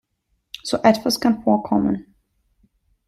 So etwas kann vorkommen.